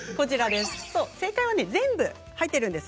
正解は全部に入っているんです。